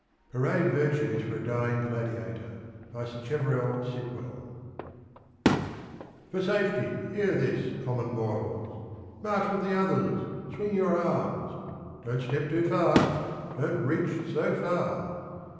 PARADE VIRTUES FOR A DYING GLADIATOR. Tov safety, hear this, common mortals! March with the others — swing your arms, Don't step too fast — don't reach so far.